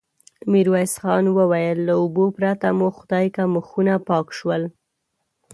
ميرويس خان وويل: له اوبو پرته مو خدايکه مخونه پاک شول.